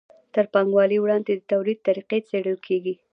تر پانګوالۍ وړاندې د توليد طریقې څیړل کیږي.